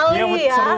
cantik sekali ya